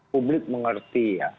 publik mengerti ya